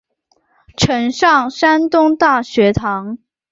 曾上山东大学堂。